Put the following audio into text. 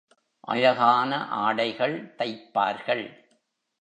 அழகான ஆடைகள் தைப்பார்கள்.